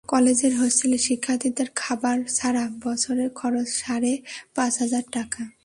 কলেজের হোস্টেলে শিক্ষার্থীদের খাবার ছাড়া বছরে খরচ সাড়ে পাঁচ হাজার টাকা।